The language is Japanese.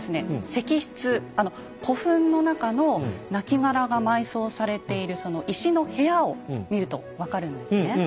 石室古墳の中のなきがらが埋葬されているその石の部屋を見ると分かるんですね。